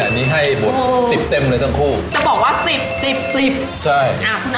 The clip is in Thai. อันนี้ให้หมดสิบเต็มเลยทั้งคู่จะบอกว่าสิบสิบสิบใช่อ่ะ